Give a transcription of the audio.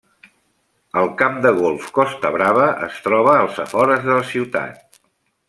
El camp de golf Costa Brava es troba als afores de la ciutat.